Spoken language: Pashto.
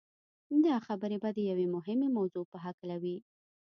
دا خبرې به د يوې مهمې موضوع په هکله وي.